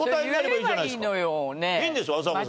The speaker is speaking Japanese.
いいんですよ浅丘さん。